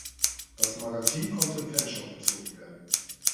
Das Magazin konnte im Fanshop bezogen werden.